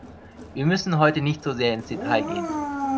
Wir müssen heute nicht so sehr ins Detail gehen.